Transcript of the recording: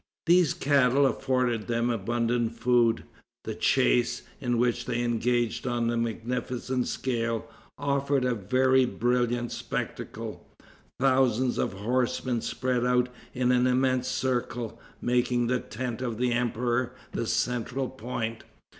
These cattle afforded them abundant food. The chase, in which they engaged on a magnificent scale, offered a very brilliant spectacle. Thousands of horsemen spread out in an immense circle, making the tent of the emperor the central point.